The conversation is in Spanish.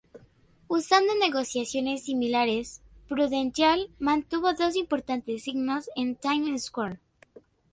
Usando negociaciones similares, Prudential mantuvo dos importantes signos en Times Square.